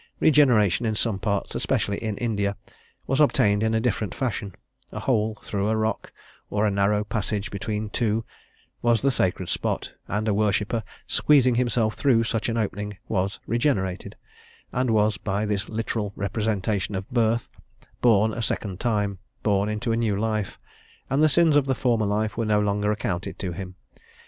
Regeneration, in some parts, especially in India, was obtained in a different fashion: a hole through a rock, or a narrow passage between two, was the sacred spot, and a worshipper, squeezing himself through such an opening, was regenerated, and was, by this literal representation of birth, born a second time, born into a new life, and the sins of the former life were no longer accounted to him.